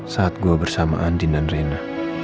saat gue bersama andin dan rena